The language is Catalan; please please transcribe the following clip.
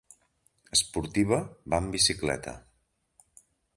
Esportiva, va amb bicicleta.